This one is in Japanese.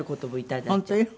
本当よ